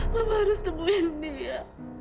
mama harus temuin dia